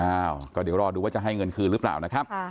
อ้าวก็เดี๋ยวรอดูว่าจะให้เงินคืนหรือเปล่านะครับ